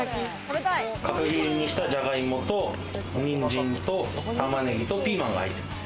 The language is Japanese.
角切りにしたじゃがいもと、にんじんと、玉ねぎと、ピーマンが入っています。